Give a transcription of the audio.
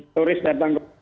turis datang kembali